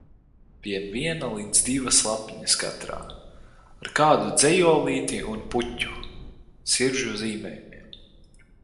Vien viena līdz divas lapiņas katrā, ar kādu dzejolīti un puķu, siržu zīmējumiem.